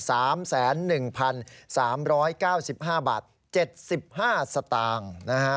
สามแสนหนึ่งพันสามร้อยเก้าสิบห้าบาทเจ็ดสิบห้าสตางค์นะฮะ